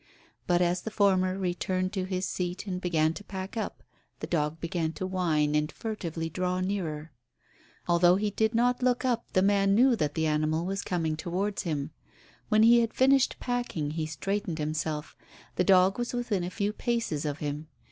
But as the former returned to his seat, and began to pack up, the dog began to whine and furtively draw nearer. Although he did not look up the man knew that the animal was coming towards him. When he had finished packing he straightened himself; the dog was within a few paces of him.